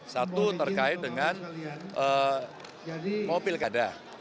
satu terkait dengan mobil kada